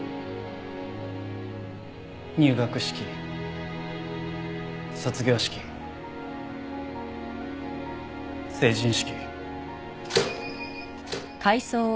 入学式卒業式成人式。